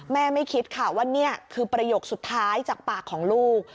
ไม่คิดค่ะว่านี่คือประโยคสุดท้ายจากปากของลูก